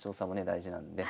大事なので。